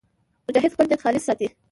مجاهد خپل نیت خالص ساتي.